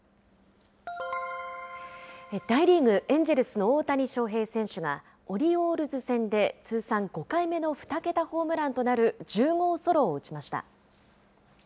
大リーグ・エンジェルスの大谷翔平選手が、オリオールズ戦で通算５回目の２桁ホームランとなる１０号ソロを打ちました。